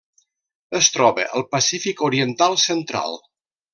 Es troba al Pacífic oriental central: